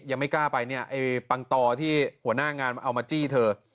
ยังไม่กล้าไปเนี่ยไอ้ปังตอที่หัวหน้างานเอามาจี้เธอ